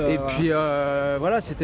ini adalah simbol